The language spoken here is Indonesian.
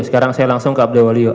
sekarang saya langsung ke abdi waluyu